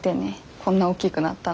こんなおっきくなったの。